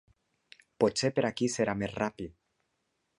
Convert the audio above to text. Potser per aquí serà més ràpid.